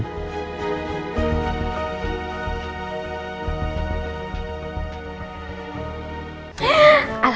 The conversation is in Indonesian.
dan hal hal jaman dulu